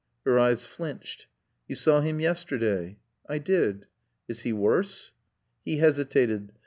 Her eyes flinched. "You saw him yesterday." "I did." "Is he worse?" He hesitated.